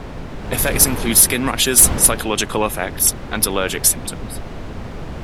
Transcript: Effects include skin rashes, psychological effects, and allergic symptoms.